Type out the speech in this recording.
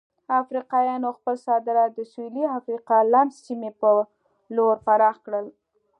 افریقایانو خپل صادرات د سویلي افریقا رنډ سیمې په لور پراخ کړل.